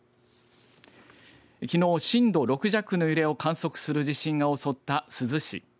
きのう震度６弱の揺れを観測する地震が襲った珠洲市。